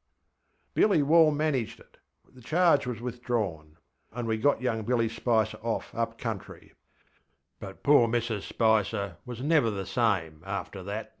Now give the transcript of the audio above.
ŌĆÖ Billy Wall managed it. The charge was withdrawn, and we got young Billy Spicer off up country. But poor Mrs Spicer was never the same after that.